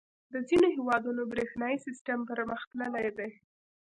• د ځینو هېوادونو برېښنايي سیسټم پرمختللی دی.